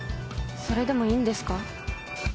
それでもいいんですか？